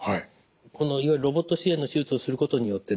このロボット支援の手術をすることによってですね